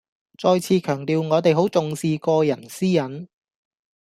再次強調我哋好重視個人私隱